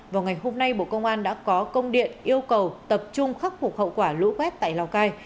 vào ngày hôm nay bộ công an đã có công điện yêu cầu tập trung khắc phục hậu quả lũ quét tại lào cai